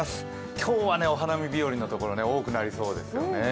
今日はね、お花見日よりのところ多くなりそうですね。